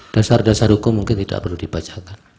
dasar dasar hukum mungkin tidak perlu dibacakan